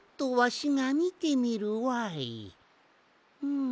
うん。